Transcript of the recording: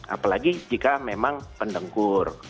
apalagi jika memang pendengkur